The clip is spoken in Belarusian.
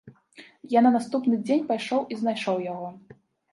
Я на наступны дзень пайшоў і знайшоў яго.